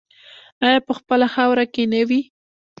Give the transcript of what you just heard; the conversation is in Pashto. آیا په خپله خاوره کې نه وي؟